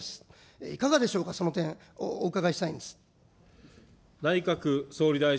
いかがでしょうか、その点、お伺いしたいんです。